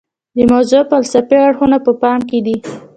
د موضوع فلسفي اړخونه په پام کې دي.